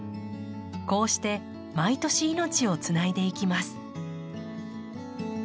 こうして毎年命をつないでいきます。